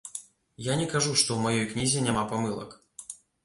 Я не кажу, што ў маёй кнізе няма памылак.